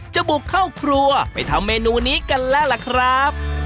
บุกเข้าครัวไปทำเมนูนี้กันแล้วล่ะครับ